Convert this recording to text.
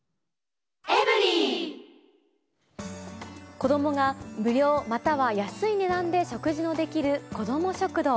子どもが無料、または安い値段で食事のできる子ども食堂。